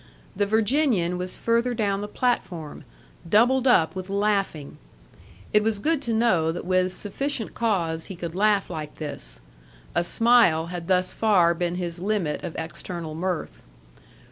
The Virginian was further down the platform, doubled up with laughing. It was good to know that with sufficient cause he could laugh like this; a smile had thus far been his limit of external mirth.